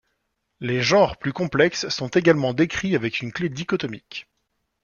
Les genres plus complexes sont également décrits avec une clé dichotomique.